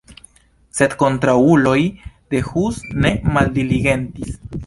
Sed kontraŭuloj de Hus ne maldiligentis.